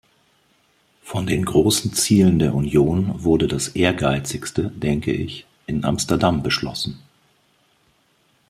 Von den großen Zielen der Union wurde das Ehrgeizigste, denke ich, in Amsterdam beschlossen.